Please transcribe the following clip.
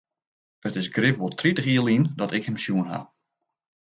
It is grif wol tritich jier lyn dat ik him sjoen ha.